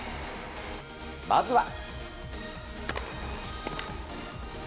まずは。